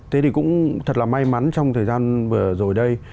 thế thì cũng thật là may mắn trong thời gian vừa rồi đây